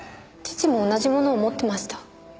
父も同じものを持ってました。